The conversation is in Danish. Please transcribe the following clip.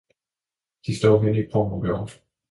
De står henne i krogen ved ovnen!